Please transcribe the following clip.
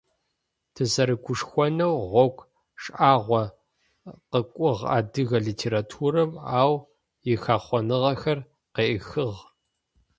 Тызэрэгушхонэу гъогу шӏагъо къыкӏугъ адыгэ литературэм, ау ихэхъоныгъэхэр къеӏыхыгъ.